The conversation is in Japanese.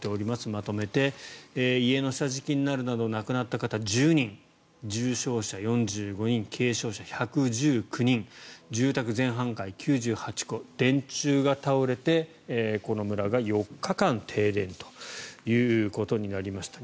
まとめて、家の下敷きになるなど亡くなった方１０人重傷者４５人軽傷者１１９人住宅全半壊９８戸電柱が倒れて、この村が４日間停電ということになりました。